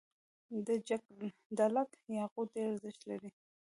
د جګدلک یاقوت ډیر ارزښت لري